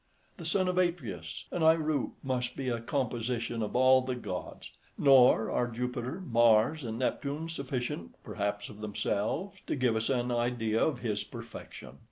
The son of Atreus and AErope must be a composition of all the gods; nor are Jupiter, Mars, and Neptune sufficient, perhaps, of themselves to give us an idea of his perfection.